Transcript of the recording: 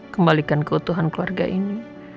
kembalikan keutuhan keluarga ini